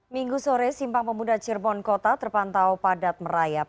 minggu sore simpang pemuda cirebon kota terpantau padat merayap